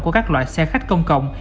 của các loại xe khách công cộng